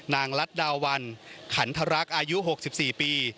ลัดดาวันขันทรักอายุ๖๔ปี